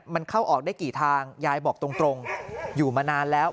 มันเข้าออกได้กี่ทางยายบอกตรงอยู่มานานแล้ว